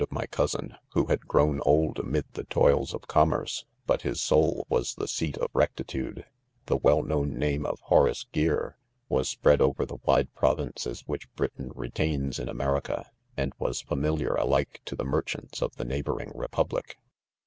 of my cousin, who had ||FGwn old amid the toils .of commerce f but his .soul was the seat of" rectitude. TSie "THE CONFESSIONS, 189 well known name of Horace Gear, was spread over the wide provinces which Britain retains In America, and was familiar alike to the mer chants of the neighboring republic.